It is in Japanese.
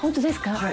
はい。